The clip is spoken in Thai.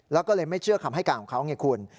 แล้วก็เลยไม่เชื่อคำให้การของเขาไงคุณ